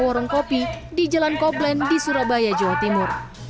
warung kopi di jalan koblen di surabaya jawa timur